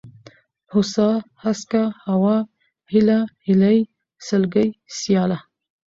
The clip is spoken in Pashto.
هوسا ، هسکه ، هوا ، هېله ، هيلۍ ، سلگۍ ، سياله